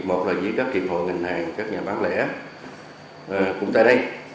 việc một là với các kịp hội ngành hàng các nhà bán lẻ cũng tại đây